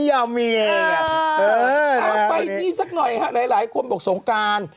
เอาไปนี่สักหน่อยฮะหลายคนบอกสงการ